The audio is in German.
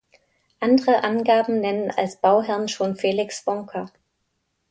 Andere Angaben nennen als Bauherren schon Felix Wonka.